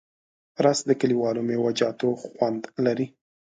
رس د کلیوالو میوهجاتو خوند لري